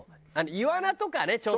イワナとかねちょっと。